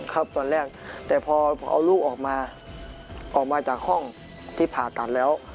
ครับตอนแรกแต่พอเอาลูกออกมาออกมาจากห้องที่ผ่าตัดแล้ว